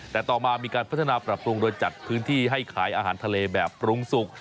แต่ต่อมามีการพัฒนาปรับปรุงโดยจัดพื้นที่ให้ขายอาหารทะเลแบบปรุงสุก